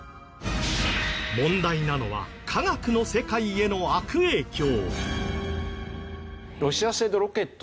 問題なのは科学の世界への悪影響。